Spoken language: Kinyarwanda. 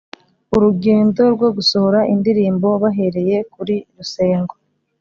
Urugendo rwo gusohora indirimbo bahereye kuri “Rusengo”